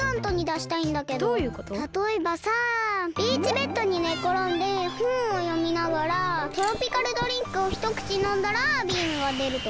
たとえばさビーチベッドにねころんでほんをよみながらトロピカルドリンクをひとくちのんだらビームがでるとか。